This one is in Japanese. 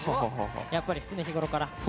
やっぱり常日頃から。